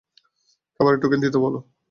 খাবারের টোকেন দিতে বলো।